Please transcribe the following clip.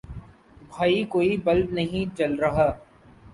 بھائی کوئی بلب نہیں جل رہا